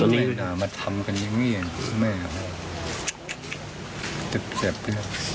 ไม่น่ามาทำกันอย่างเงียนไม่เอาหรอกเจ็บเจ็บ